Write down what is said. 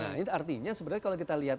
nah ini artinya sebenarnya kalau kita lihat ini